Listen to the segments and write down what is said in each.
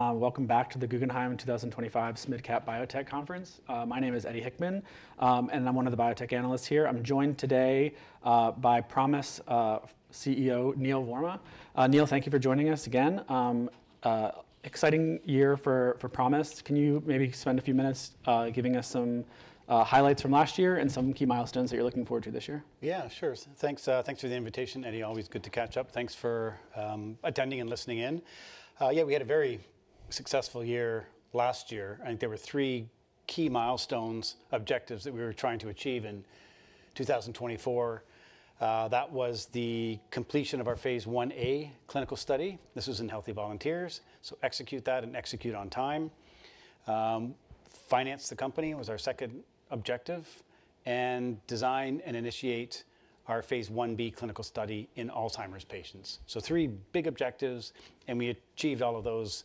Welcome back to the Guggenheim 2025 SMID Cap Biotech Conference. My name is Eddie Hickman, and I'm one of the biotech analysts here. I'm joined today by ProMIS CEO Neil Warma. Neil, thank you for joining us again. Exciting year for ProMIS. Can you maybe spend a few minutes giving us some highlights from last year and some key milestones that you're looking forward to this year? Yeah, sure. Thanks for the invitation, Eddie. Always good to catch up. Thanks for attending and listening in. Yeah, we had a very successful year last year. I think there were three key milestones, objectives that we were trying to achieve in 2024. That was the completion of our phase 1a clinical study. This was in healthy volunteers. Execute that and execute on time. Finance the company was our second objective. Design and initiate our phase 1b clinical study in Alzheimer's patients. Three big objectives, and we achieved all of those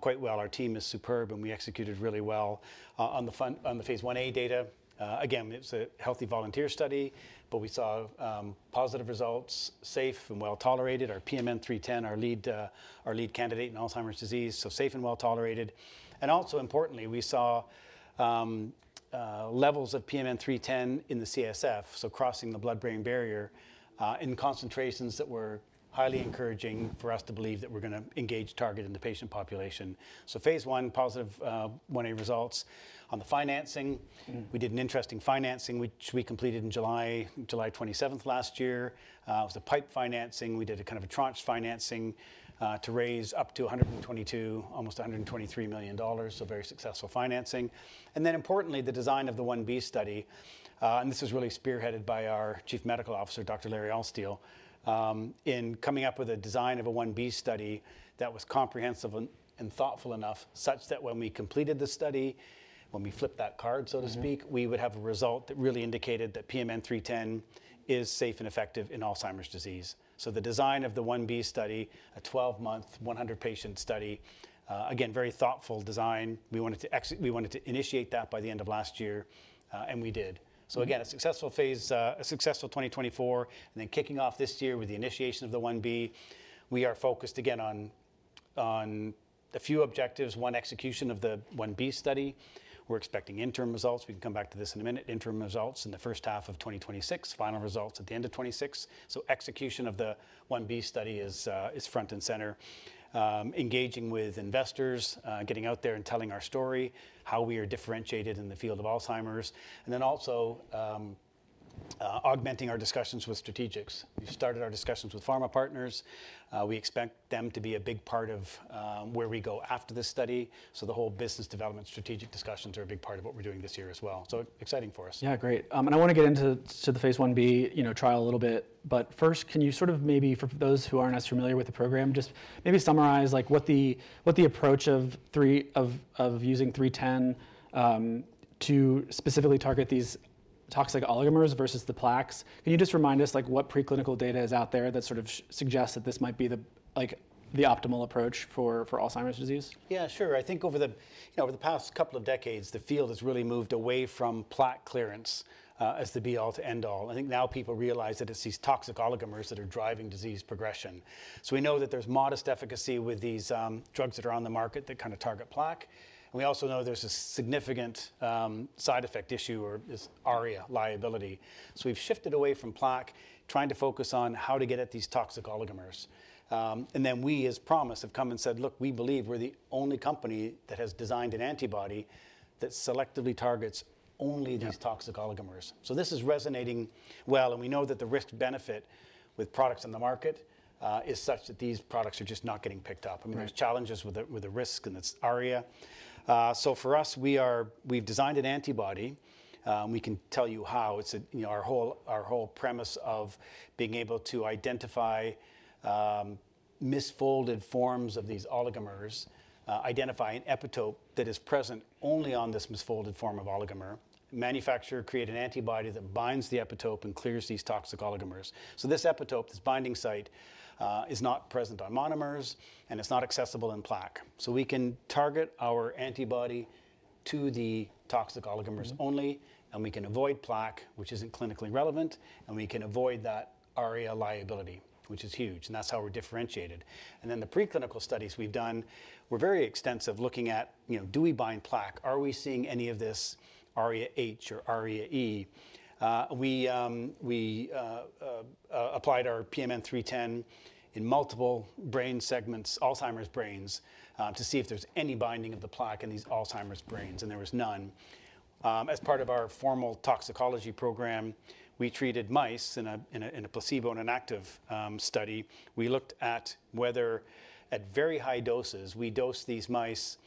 quite well. Our team is superb, and we executed really well on the phase 1a data. Again, it was a healthy volunteer study, but we saw positive results, safe and well tolerated. Our PMN 310, our lead candidate in Alzheimer's disease, so safe and well tolerated. Also importantly, we saw levels of PMN 310 in the CSF, crossing the blood-brain barrier in concentrations that were highly encouraging for us to believe that we're going to engage target in the patient population. Phase 1, positive 1a results. On the financing, we did an interesting financing, which we completed on July 27 last year. It was a PIPE financing. We did a kind of a tranche financing to raise up to $122 million, almost $123 million, so very successful financing. Importantly, the design of the 1b study. This was really spearheaded by our Chief Medical Officer, Dr. Larry Altstiel, in coming up with a design of a 1b study that was comprehensive and thoughtful enough such that when we completed the study, when we flipped that card, so to speak, we would have a result that really indicated that PMN 310 is safe and effective in Alzheimer's disease. The design of the 1b study, a 12-month, 100-patient study, again, very thoughtful design. We wanted to initiate that by the end of last year, and we did. Again, a successful 2024. Kicking off this year with the initiation of the 1b, we are focused again on a few objectives. One, execution of the 1b study. We're expecting interim results. We can come back to this in a minute. Interim results in the first half of 2026, final results at the end of 2026. Execution of the 1b study is front and center. Engaging with investors, getting out there and telling our story, how we are differentiated in the field of Alzheimer's. We are also augmenting our discussions with strategics. We've started our discussions with pharma partners. We expect them to be a big part of where we go after this study. The whole business development strategic discussions are a big part of what we're doing this year as well. Exciting for us. Yeah, great. I want to get into the phase 1b trial a little bit. First, can you sort of maybe, for those who aren't as familiar with the program, just maybe summarize what the approach of using 310 to specifically target these toxic oligomers versus the plaques is? Can you just remind us what preclinical data is out there that sort of suggests that this might be the optimal approach for Alzheimer's disease? Yeah, sure. I think over the past couple of decades, the field has really moved away from plaque clearance as the be-all to end-all. I think now people realize that it's these toxic oligomers that are driving disease progression. We know that there's modest efficacy with these drugs that are on the market that kind of target plaque. We also know there's a significant side effect issue or this ARIA liability. We've shifted away from plaque, trying to focus on how to get at these toxic oligomers. We, as ProMIS, have come and said, look, we believe we're the only company that has designed an antibody that selectively targets only these toxic oligomers. This is resonating well. We know that the risk-benefit with products on the market is such that these products are just not getting picked up. I mean, there's challenges with the risk and it's ARIA. For us, we've designed an antibody. We can tell you how. It's our whole premise of being able to identify misfolded forms of these oligomers, identify an epitope that is present only on this misfolded form of oligomer, manufacture, create an antibody that binds the epitope and clears these toxic oligomers. This epitope, this binding site, is not present on monomers, and it's not accessible in plaque. We can target our antibody to the toxic oligomers only, and we can avoid plaque, which isn't clinically relevant, and we can avoid that ARIA liability, which is huge. That's how we're differentiated. The preclinical studies we've done were very extensive, looking at, do we bind plaque? Are we seeing any of this ARIA-H or ARIA-E? We applied our PMN 310 in multiple brain segments, Alzheimer's brains, to see if there's any binding of the plaque in these Alzheimer's brains, and there was none. As part of our formal toxicology program, we treated mice in a placebo and an active study. We looked at whether, at very high doses, we dosed these mice,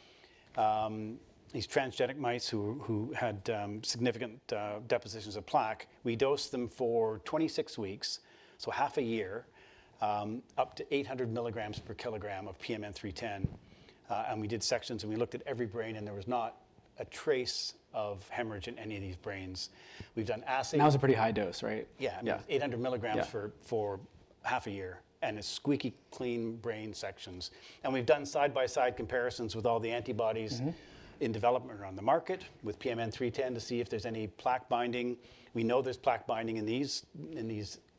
these transgenic mice who had significant depositions of plaque. We dosed them for 26 weeks, so half a year, up to 800 mg per kg of PMN 310. We did sections, and we looked at every brain, and there was not a trace of hemorrhage in any of these brains. We've done essays. Now it's a pretty high dose, right? Yeah, 800 milligrams for half a year and squeaky clean brain sections. We have done side-by-side comparisons with all the antibodies in development around the market with PMN 310 to see if there is any plaque binding. We know there is plaque binding in these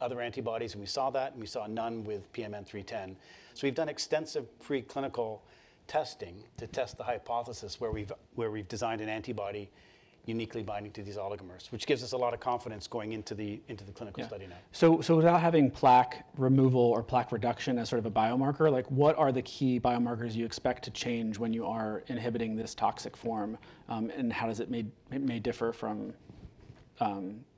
other antibodies, and we saw that, and we saw none with PMN 310. We have done extensive preclinical testing to test the hypothesis where we have designed an antibody uniquely binding to these oligomers, which gives us a lot of confidence going into the clinical study now. Without having plaque removal or plaque reduction as sort of a biomarker, what are the key biomarkers you expect to change when you are inhibiting this toxic form? And how does it may differ from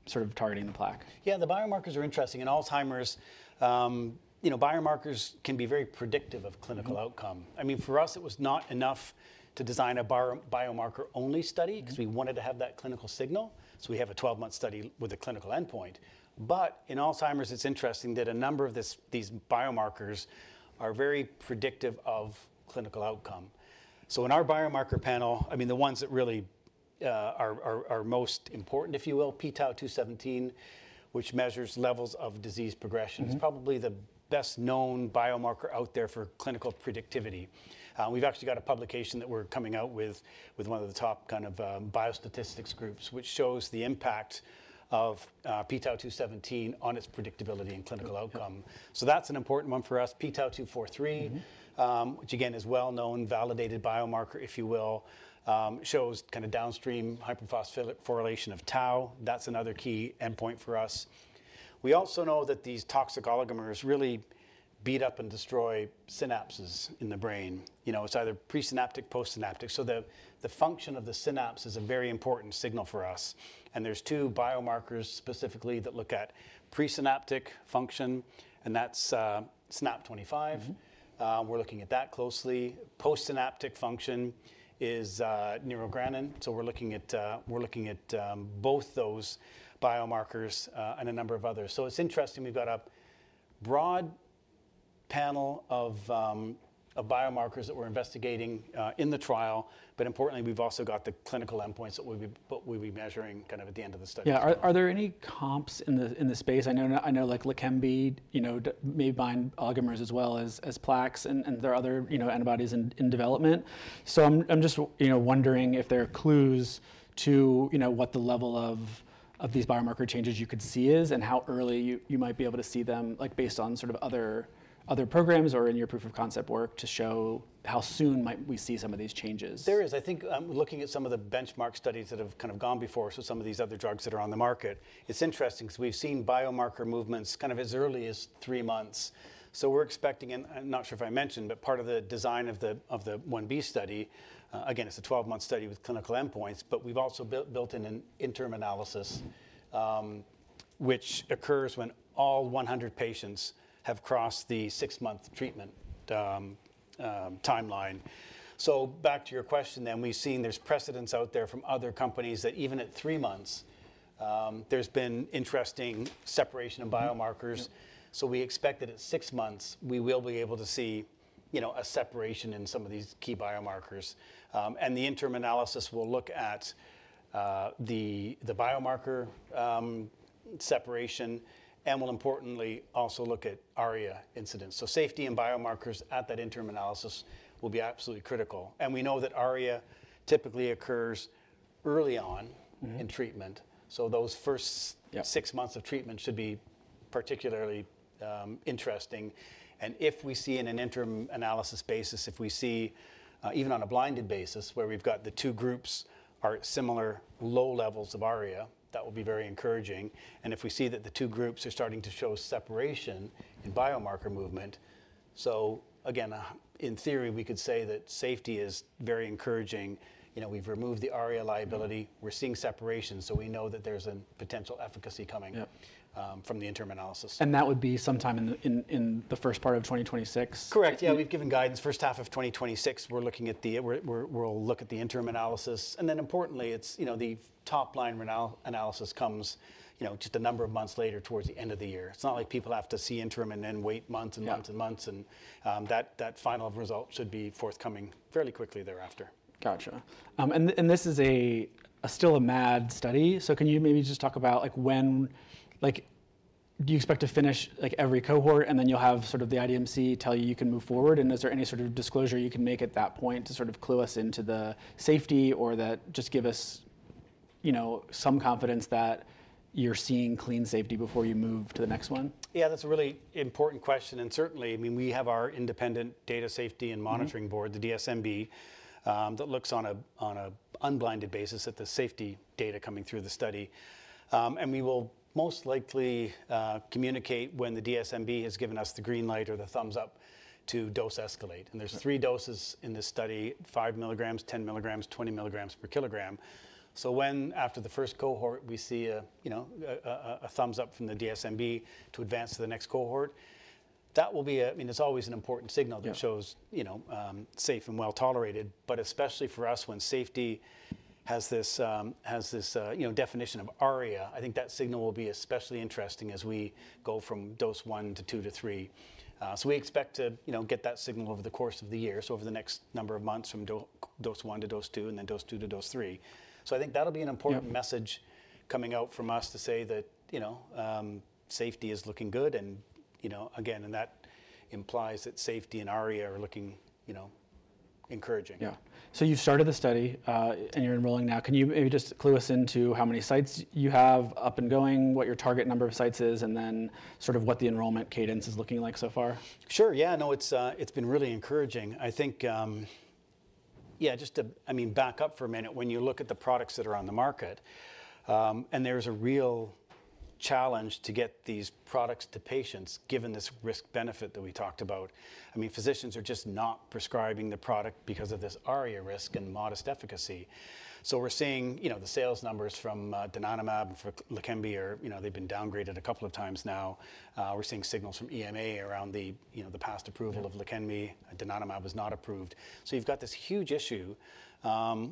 sort of targeting the plaque? Yeah, the biomarkers are interesting. In Alzheimer's, biomarkers can be very predictive of clinical outcome. I mean, for us, it was not enough to design a biomarker-only study because we wanted to have that clinical signal. We have a 12-month study with a clinical endpoint. In Alzheimer's, it's interesting that a number of these biomarkers are very predictive of clinical outcome. In our biomarker panel, I mean, the ones that really are most important, if you will, p-Tau217, which measures levels of disease progression, is probably the best-known biomarker out there for clinical predictivity. We've actually got a publication that we're coming out with, with one of the top kind of biostatistics groups, which shows the impact of p-Tau217 on its predictability and clinical outcome. That's an important one for us. p-Tau243, which again is a well-known, validated biomarker, if you will, shows kind of downstream hyperphosphorylated form of tau. That's another key endpoint for us. We also know that these toxic oligomers really beat up and destroy synapses in the brain. It's either presynaptic, postsynaptic. The function of the synapse is a very important signal for us. There are two biomarkers specifically that look at presynaptic function, and that's SNAP-25. We're looking at that closely. Postsynaptic function is neurogranin. We're looking at both those biomarkers and a number of others. It's interesting. We've got a broad panel of biomarkers that we're investigating in the trial. Importantly, we've also got the clinical endpoints that we'll be measuring kind of at the end of the study. Yeah. Are there any comps in the space? I know Leqembi may bind oligomers as well as plaques, and there are other antibodies in development. I am just wondering if there are clues to what the level of these biomarker changes you could see is and how early you might be able to see them based on sort of other programs or in your proof of concept work to show how soon might we see some of these changes. There is. I think looking at some of the benchmark studies that have kind of gone before us with some of these other drugs that are on the market, it's interesting because we've seen biomarker movements kind of as early as three months. We are expecting, and I'm not sure if I mentioned, but part of the design of the 1b study, again, it's a 12-month study with clinical endpoints, but we've also built in an interim analysis, which occurs when all 100 patients have crossed the six-month treatment timeline. Back to your question then, we've seen there's precedents out there from other companies that even at three months, there's been interesting separation of biomarkers. We expect that at six months, we will be able to see a separation in some of these key biomarkers. The interim analysis will look at the biomarker separation and will importantly also look at ARIA incidents. Safety and biomarkers at that interim analysis will be absolutely critical. We know that ARIA typically occurs early on in treatment. Those first six months of treatment should be particularly interesting. If we see in an interim analysis basis, if we see even on a blinded basis where we've got the two groups are at similar low levels of ARIA, that will be very encouraging. If we see that the two groups are starting to show separation in biomarker movement, so again, in theory, we could say that safety is very encouraging. We've removed the ARIA liability. We're seeing separation. We know that there's a potential efficacy coming from the interim analysis. That would be sometime in the first part of 2026? Correct. Yeah, we've given guidance. First half of 2026, we'll look at the interim analysis. Importantly, the top-line analysis comes just a number of months later towards the end of the year. It's not like people have to see interim and then wait months and months and months. That final result should be forthcoming fairly quickly thereafter. Gotcha. This is still a MAD study. Can you maybe just talk about when you expect to finish every cohort, and then you'll have sort of the IDMC tell you you can move forward? Is there any sort of disclosure you can make at that point to sort of clue us into the safety or just give us some confidence that you're seeing clean safety before you move to the next one? Yeah, that's a really important question. Certainly, I mean, we have our independent data safety and monitoring board, the DSMB, that looks on an unblinded basis at the safety data coming through the study. We will most likely communicate when the DSMB has given us the green light or the thumbs up to dose escalate. There are three doses in this study, 5 milligrams, 10 milligrams, 20 milligrams per kilogram. When after the first cohort we see a thumbs up from the DSMB to advance to the next cohort, that will be a, I mean, it's always an important signal that shows safe and well tolerated. Especially for us, when safety has this definition of ARIA, I think that signal will be especially interesting as we go from dose one to two to three. We expect to get that signal over the course of the year, over the next number of months from dose one to dose two and then dose two to dose three. I think that'll be an important message coming out from us to say that safety is looking good. Again, that implies that safety and ARIA are looking encouraging. Yeah. So you've started the study and you're enrolling now. Can you maybe just clue us into how many sites you have up and going, what your target number of sites is, and then sort of what the enrollment cadence is looking like so far? Sure. Yeah, no, it's been really encouraging. I think, yeah, just to, I mean, back up for a minute. When you look at the products that are on the market, and there's a real challenge to get these products to patients given this risk-benefit that we talked about, I mean, physicians are just not prescribing the product because of this ARIA risk and modest efficacy. We're seeing the sales numbers from donanemab or Leqembi, they've been downgraded a couple of times now. We're seeing signals from EMA around the past approval of Leqembi. donanemab was not approved. You've got this huge issue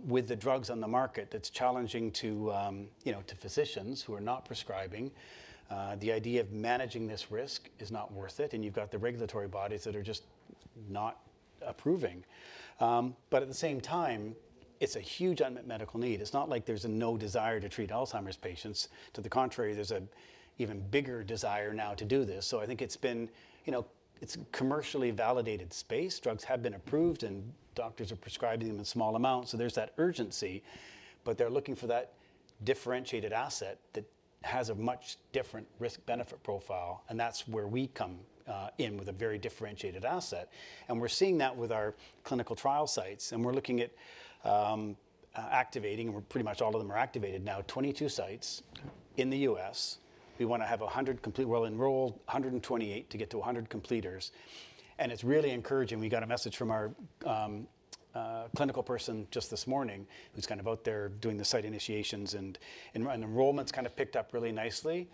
with the drugs on the market that's challenging to physicians who are not prescribing. The idea of managing this risk is not worth it. You've got the regulatory bodies that are just not approving. At the same time, it's a huge unmet medical need. It's not like there's a no desire to treat Alzheimer's patients. To the contrary, there's an even bigger desire now to do this. I think it's been a commercially validated space. Drugs have been approved, and doctors are prescribing them in small amounts. There's that urgency. They're looking for that differentiated asset that has a much different risk-benefit profile. That's where we come in with a very differentiated asset. We're seeing that with our clinical trial sites. We're looking at activating, and pretty much all of them are activated now, 22 sites in the US. We want to have 100 complete well-enrolled, 128 to get to 100 completers. It's really encouraging. We got a message from our clinical person just this morning who's kind of out there doing the site initiations. Enrollment's kind of picked up really nicely.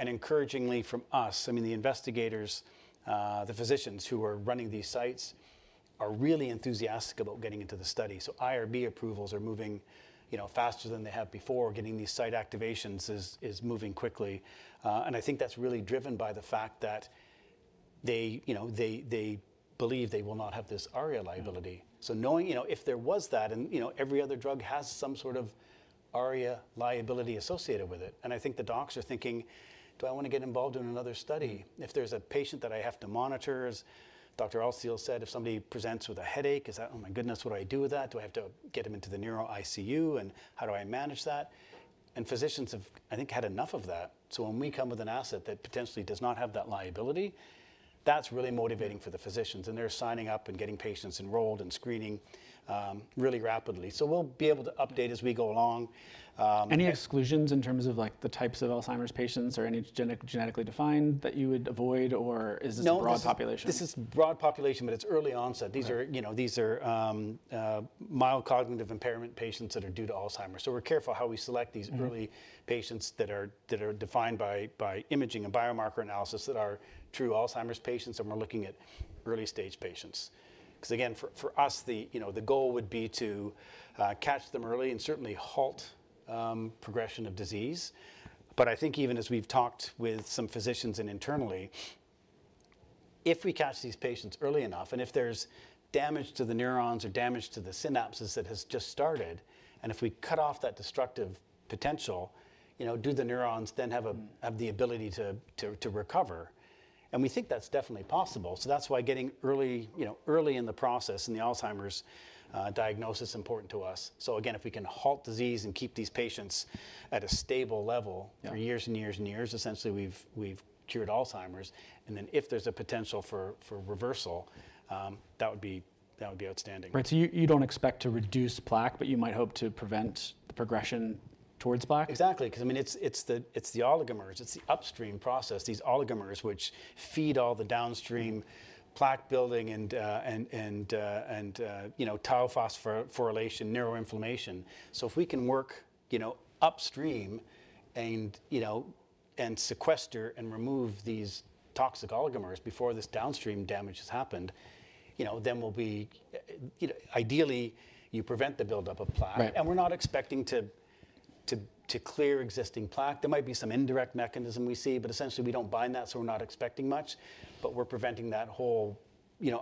Encouragingly from us, I mean, the investigators, the physicians who are running these sites are really enthusiastic about getting into the study. IRB approvals are moving faster than they have before. Getting these site activations is moving quickly. I think that's really driven by the fact that they believe they will not have this ARIA liability. Knowing if there was that, and every other drug has some sort of ARIA liability associated with it. I think the docs are thinking, do I want to get involved in another study? If there's a patient that I have to monitor, as Dr. Altstiel said, if somebody presents with a headache, is that, oh my goodness, what do I do with that? Do I have to get them into the neuro ICU? How do I manage that? Physicians have, I think, had enough of that. When we come with an asset that potentially does not have that liability, that's really motivating for the physicians. They're signing up and getting patients enrolled and screening really rapidly. We'll be able to update as we go along. Any exclusions in terms of the types of Alzheimer's patients or any genetically defined that you would avoid, or is this a broad population? No, this is broad population, but it's early onset. These are mild cognitive impairment patients that are due to Alzheimer's. We are careful how we select these early patients that are defined by imaging and biomarker analysis that are true Alzheimer's patients. We are looking at early-stage patients. For us, the goal would be to catch them early and certainly halt progression of disease. I think even as we've talked with some physicians and internally, if we catch these patients early enough, and if there's damage to the neurons or damage to the synapses that has just started, and if we cut off that destructive potential, do the neurons then have the ability to recover? We think that's definitely possible. That's why getting early in the process in the Alzheimer's diagnosis is important to us. If we can halt disease and keep these patients at a stable level for years and years and years, essentially we've cured Alzheimer's. And if there's a potential for reversal, that would be outstanding. Right. So you don't expect to reduce plaque, but you might hope to prevent the progression towards plaque? Exactly. Because I mean, it's the oligomers. It's the upstream process, these oligomers, which feed all the downstream plaque building and tau phosphorylation, neuroinflammation. If we can work upstream and sequester and remove these toxic oligomers before this downstream damage has happened, then ideally, you prevent the buildup of plaque. We're not expecting to clear existing plaque. There might be some indirect mechanism we see, but essentially we do not bind that, so we're not expecting much. We're preventing that whole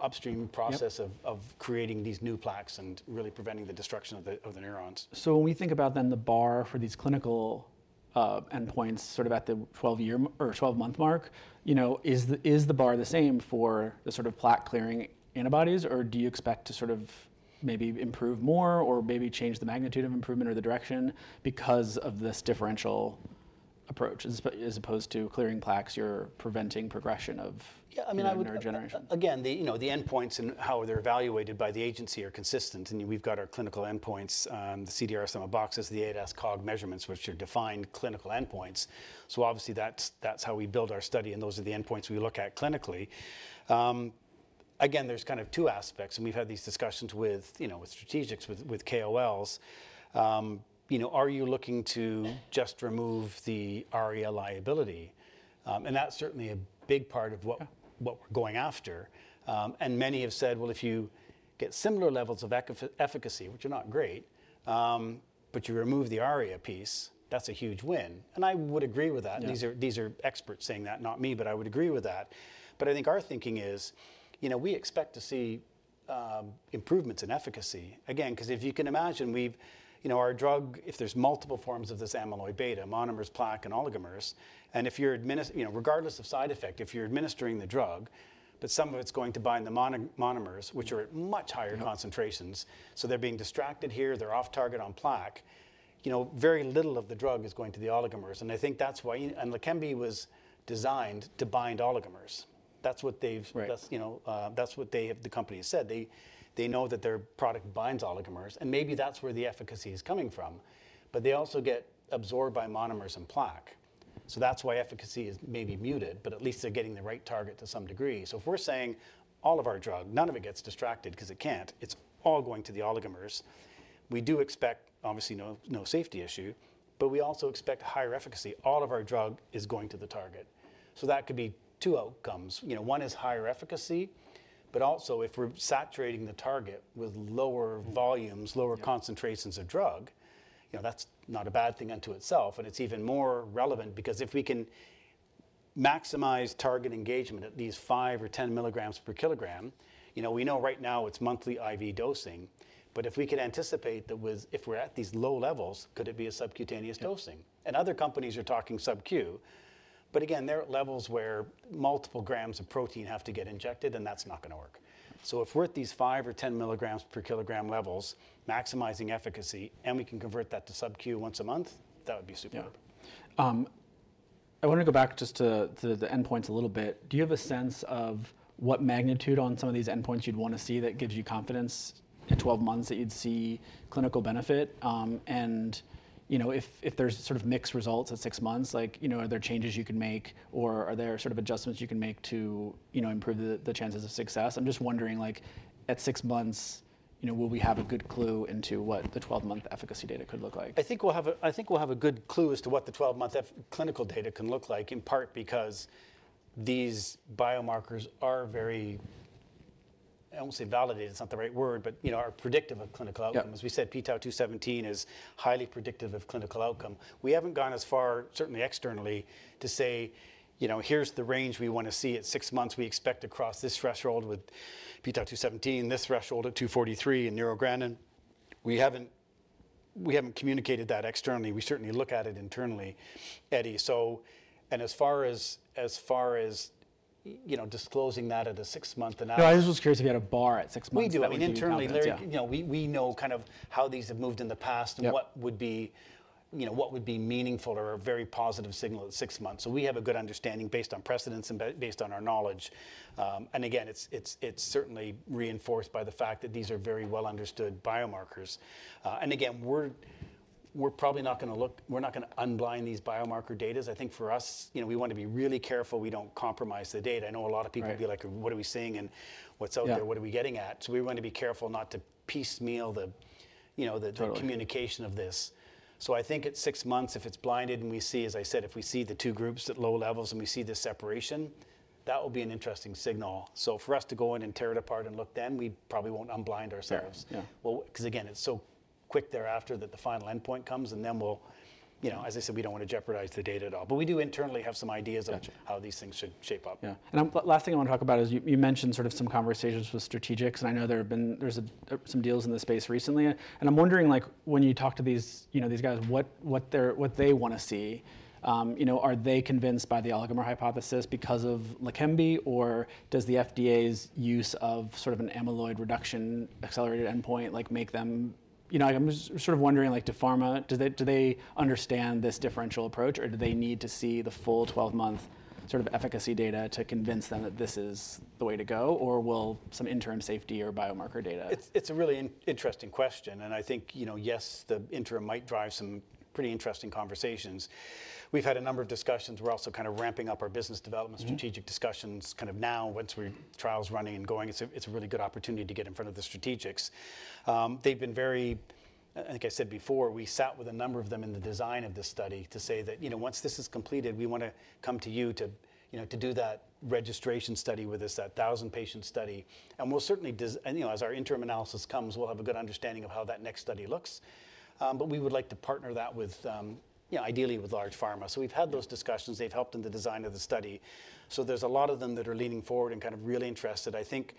upstream process of creating these new plaques and really preventing the destruction of the neurons. When we think about then the bar for these clinical endpoints sort of at the 12-month mark, is the bar the same for the sort of plaque-clearing antibodies, or do you expect to sort of maybe improve more or maybe change the magnitude of improvement or the direction because of this differential approach? As opposed to clearing plaques, you're preventing progression of neurogenic? Yeah, I mean, again, the endpoints and how they're evaluated by the agency are consistent. I mean, we've got our clinical endpoints. The CDR-SB, the ADAS-Cog measurements, which are defined clinical endpoints. Obviously, that's how we build our study, and those are the endpoints we look at clinically. Again, there's kind of two aspects. We've had these discussions with strategics, with KOLs. Are you looking to just remove the ARIA liability? That's certainly a big part of what we're going after. Many have said, well, if you get similar levels of efficacy, which are not great, but you remove the ARIA piece, that's a huge win. I would agree with that. These are experts saying that, not me, but I would agree with that. I think our thinking is we expect to see improvements in efficacy. Again, because if you can imagine, our drug, if there's multiple forms of this amyloid beta, monomers, plaque, and oligomers. Regardless of side effect, if you're administering the drug, but some of it's going to bind the monomers, which are at much higher concentrations. They're being distracted here. They're off target on plaque. Very little of the drug is going to the oligomers. I think that's why Leqembi was designed to bind oligomers. That's what they have, the company has said. They know that their product binds oligomers. Maybe that's where the efficacy is coming from. They also get absorbed by monomers and plaque. That's why efficacy is maybe muted, but at least they're getting the right target to some degree. If we're saying all of our drug, none of it gets distracted because it can't, it's all going to the oligomers. We do expect, obviously, no safety issue, but we also expect higher efficacy. All of our drug is going to the target. That could be two outcomes. One is higher efficacy, but also if we are saturating the target with lower volumes, lower concentrations of drug, that is not a bad thing unto itself. It is even more relevant because if we can maximize target engagement at these 5 or 10 milligrams per kilogram, we know right now it is monthly IV dosing. If we could anticipate that if we are at these low levels, could it be a subcutaneous dosing? Other companies are talking subQ. There are levels where multiple grams of protein have to get injected, and that is not going to work. If we're at these 5 or 10 milligrams per kilogram levels, maximizing efficacy, and we can convert that to subQ once a month, that would be superb. I want to go back just to the endpoints a little bit. Do you have a sense of what magnitude on some of these endpoints you'd want to see that gives you confidence in 12 months that you'd see clinical benefit? If there's sort of mixed results at six months, are there changes you can make, or are there sort of adjustments you can make to improve the chances of success? I'm just wondering, at six months, will we have a good clue into what the 12-month efficacy data could look like? I think we'll have a good clue as to what the 12-month clinical data can look like, in part because these biomarkers are very, I won't say validated, it's not the right word, but are predictive of clinical outcomes. We said p-Tau217 is highly predictive of clinical outcome. We haven't gone as far, certainly externally, to say, here's the range we want to see at six months. We expect across this threshold with p-Tau217, this threshold at 243 in neurogranin. We haven't communicated that externally. We certainly look at it internally, Eddie. As far as disclosing that at a six-month analysis. No, I was just curious if you had a bar at six months. We do. I mean, internally, we know kind of how these have moved in the past and what would be meaningful or a very positive signal at six months. We have a good understanding based on precedence and based on our knowledge. It is certainly reinforced by the fact that these are very well-understood biomarkers. We are probably not going to look, we are not going to unblind these biomarker data. I think for us, we want to be really careful we do not compromise the data. I know a lot of people would be like, what are we seeing and what is out there, what are we getting at? We want to be careful not to piecemeal the communication of this. I think at six months, if it's blinded and we see, as I said, if we see the two groups at low levels and we see this separation, that will be an interesting signal. For us to go in and tear it apart and look then, we probably won't unblind ourselves. Because again, it's so quick thereafter that the final endpoint comes. As I said, we don't want to jeopardize the data at all. We do internally have some ideas of how these things should shape up. Yeah. Last thing I want to talk about is you mentioned sort of some conversations with strategics. I know there have been some deals in the space recently. I'm wondering, when you talk to these guys, what they want to see. Are they convinced by the oligomer hypothesis because of Leqembi, or does the FDA's use of sort of an amyloid reduction accelerated endpoint make them? I'm sort of wondering, do pharma, do they understand this differential approach, or do they need to see the full 12-month sort of efficacy data to convince them that this is the way to go, or will some interim safety or biomarker data? It's a really interesting question. I think, yes, the interim might drive some pretty interesting conversations. We've had a number of discussions. We're also kind of ramping up our business development strategic discussions kind of now once our trial's running and going. It's a really good opportunity to get in front of the strategics. They've been very, like I said before, we sat with a number of them in the design of this study to say that once this is completed, we want to come to you to do that registration study with us, that 1,000-patient study. We will certainly, as our interim analysis comes, have a good understanding of how that next study looks. We would like to partner that ideally with large pharma. We've had those discussions. They've helped in the design of the study. There are a lot of them that are leaning forward and kind of really interested. I think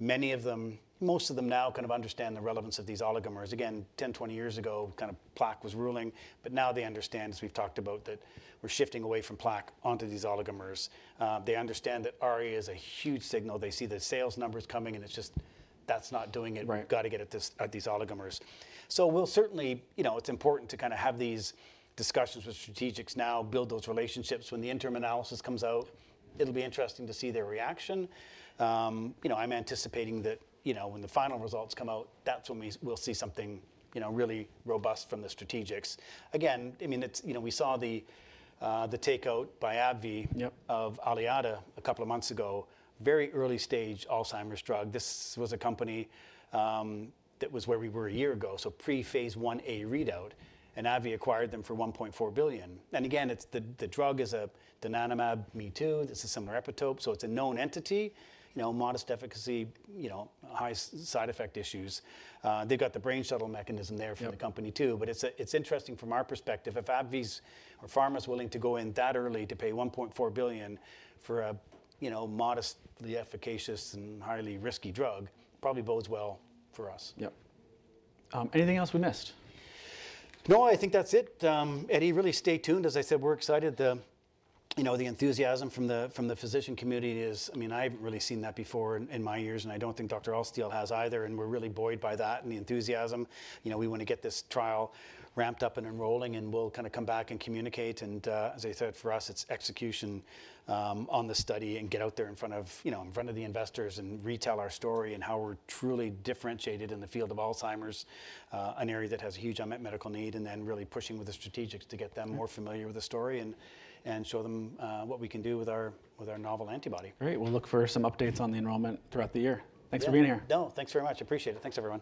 many of them, most of them now kind of understand the relevance of these oligomers. Again, 10, 20 years ago, kind of plaque was ruling. Now they understand, as we've talked about, that we're shifting away from plaque onto these oligomers. They understand that ARIA is a huge signal. They see the sales numbers coming, and it's just, that's not doing it. We've got to get at these oligomers. It is important to kind of have these discussions with strategics now, build those relationships. When the interim analysis comes out, it'll be interesting to see their reaction. I'm anticipating that when the final results come out, that's when we'll see something really robust from the strategics. Again, I mean, we saw the takeout by AbbVie of Aliada a couple of months ago, very early-stage Alzheimer's drug. This was a company that was where we were a year ago, so pre-phase 1a readout. AbbVie acquired them for $1.4 billion. The drug is a donanemab, me-too. This is a similar epitope. It is a known entity, modest efficacy, high side effect issues. They have got the brain shuttle mechanism there from the company too. It is interesting from our perspective, if AbbVie's or pharma's willing to go in that early to pay $1.4 billion for a modestly efficacious and highly risky drug, probably bodes well for us. Yep. Anything else we missed? No, I think that's it. Eddie, really stay tuned. As I said, we're excited. The enthusiasm from the physician community is, I mean, I haven't really seen that before in my years, and I don't think Dr. Altstiel has either. We're really buoyed by that and the enthusiasm. We want to get this trial ramped up and enrolling, and we'll kind of come back and communicate. As I said, for us, it's execution on the study and get out there in front of the investors and retell our story and how we're truly differentiated in the field of Alzheimer's, an area that has a huge unmet medical need, and then really pushing with the strategics to get them more familiar with the story and show them what we can do with our novel antibody. Great. We'll look for some updates on the enrollment throughout the year. Thanks for being here. No, thanks very much. Appreciate it. Thanks, everyone.